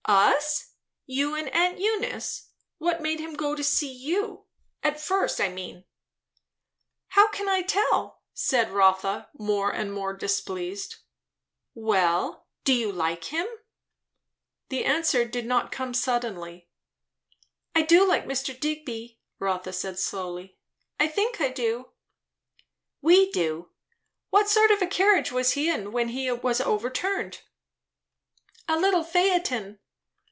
"Us? You and aunt Eunice? What made him go to see you? at first, I mean." "How can I tell?" said Rotha, more and more displeased. "Well, do you like him?" The answer did not come suddenly. "Do I like Mr. Digby?" Rotha said slowly. "I think I do." "We do. What sort of a carriage was he in when he was overturned?" "A little phaeton."